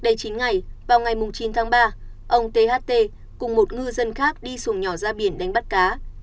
đây chín ngày vào ngày chín tháng ba ông tht cùng một ngư dân khác đi xuồng nhỏ ra biển đánh bắt cá